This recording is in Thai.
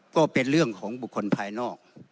ก็เป็นเรื่องของบุคคลภายนอก